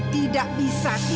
tidak bisa titik